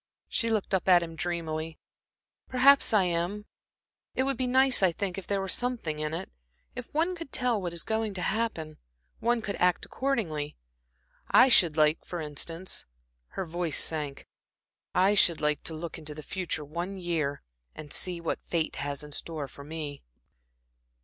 She looked up at him dreamily. "Perhaps I am. It would be nice, I think, if there were something in it, if one could tell what is going to happen. One could act accordingly. I should like, for instance" her voice sank "I should like to look into the future one year, and see what fate has in store for me."